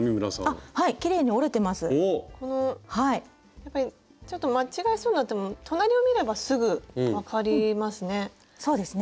やっぱりちょっと間違えそうになっても隣を見ればすぐ分かりますね。